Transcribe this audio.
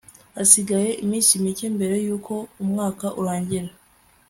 hasigaye iminsi mike mbere yuko umwaka urangira